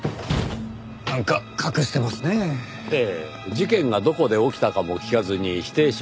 事件がどこで起きたかも聞かずに否定しましたからね。